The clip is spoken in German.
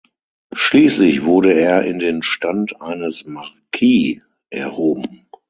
Schließlich wurde er in den Stand eines Marquis erhoben.